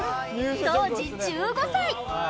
当時１５歳